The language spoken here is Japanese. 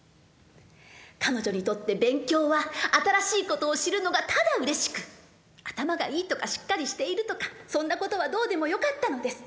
彼女にとって勉強は新しいことを知るのがただうれしく頭がいいとかしっかりしているとかそんなことはどうでもよかったのです。